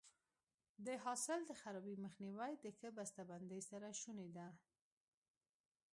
د حاصل د خرابي مخنیوی د ښه بسته بندۍ سره شونی دی.